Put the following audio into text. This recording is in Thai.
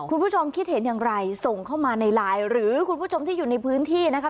คุณผู้ชมคิดเห็นอย่างไรส่งเข้ามาในไลน์หรือคุณผู้ชมที่อยู่ในพื้นที่นะคะ